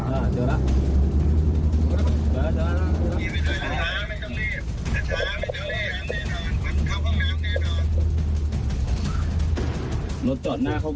แทนชู